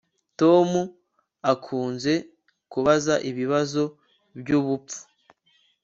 Tom akunze kubaza ibibazo byubupfu